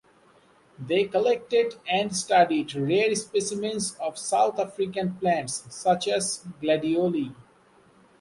They collected and studied rare specimens of South African plants such as "Gladioli".